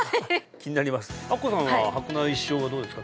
気になります明子さんは白内障はどうですか？